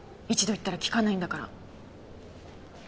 一度言ったら聞かないんだから。